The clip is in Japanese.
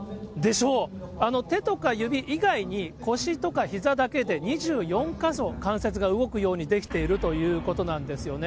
手とか指以外に腰とかひざだけで２４か所、関節が動くように出来ているということなんですよね。